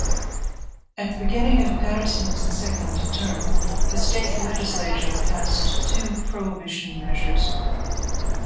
At the beginning of Patterson's second term, the state legislature passed two Prohibition measures.